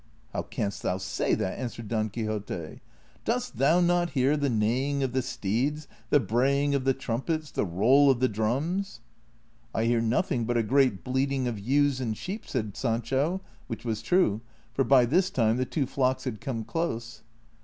<' How canst thou say that !" answered Don Quixote ;" dost thou not hear the neighing of the steeds, the braying of the trumpets, the roll of the drums ?"" I hear nothing but a great bleating of ewes and sheep," said Sancho; which was true, for by this time the two flocks had come close.